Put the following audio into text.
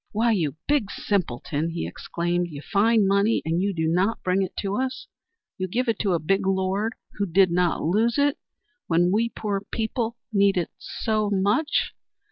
"Why, you big simpleton!" he exclaimed, "you find money and you do not bring it to us! You give it to a big lord, who did not lose it, when we poor people need it so much!